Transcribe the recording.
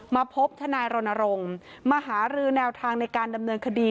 มาพบทนายรณรงค์มาหารือแนวทางในการดำเนินคดี